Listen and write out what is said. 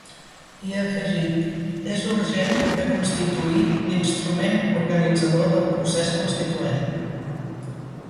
I ha afegit: És urgent de constituir l’instrument organitzador del procés constituent.